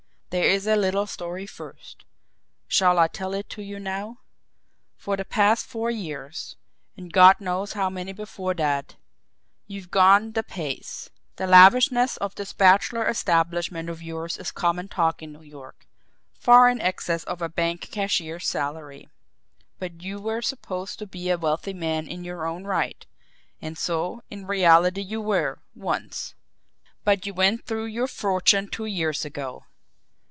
There is that little story first shall I tell it to you now? For the past four years, and God knows how many before that, you've gone the pace. The lavishness of this bachelor establishment of yours is common talk in New York far in excess of a bank cashier's salary. But you were supposed to be a wealthy man in your own right; and so, in reality you were once. But you went through your fortune two years ago.